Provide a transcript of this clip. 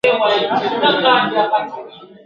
په کاله کی یې لوی کړي ځناور وي ..